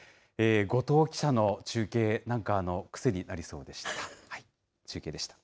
後藤記者の中継、なんか癖になりそうでした。